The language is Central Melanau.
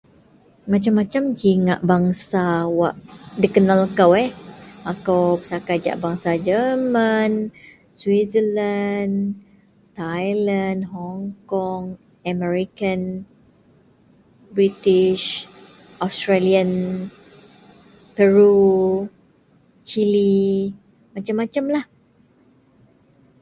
Masem-masem g ngak bangsa wak dikenal kou yeh, Akou pesakai jegum bangsa German, Switzerland, Thailand, Hong Kong, Americans, British, Australian, Peru, Chile masem-masem lah.